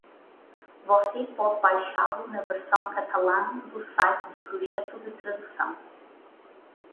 Você pode baixá-lo na versão catalã do site do projeto de tradução.